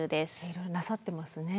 いろいろなさってますね。